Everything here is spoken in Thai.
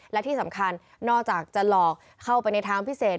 และที่สำคัญนอกจากจะหลอกเข้าไปในทางพิเศษ